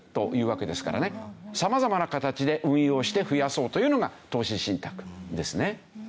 様々な形で運用して増やそうというのが投資信託ですね。